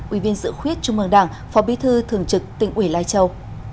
ủy viên sự khuyết trung ương đảng phó bí thư thường trực tỉnh ủy lai châu